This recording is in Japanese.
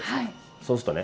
そうするとね